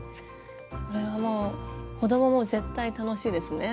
これはもう子供も絶対楽しいですね。